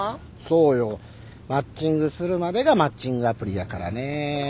そうよ。マッチングするまでがマッチングアプリやからね。